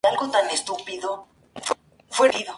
Comercializados frescos o secos-salados.